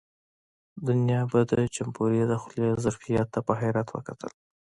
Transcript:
دنیا به د جمبوري د خولې ظرفیت ته په حیرت وکتل.